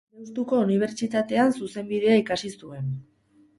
Deustuko Unibertsitatean zuzenbidea ikasi zuen.